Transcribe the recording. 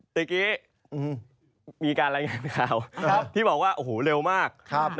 เมื่อกี้มีการรายงานข่าวที่บอกว่าโอ้โหเร็วมาก